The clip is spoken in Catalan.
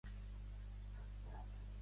És un conegut flautista.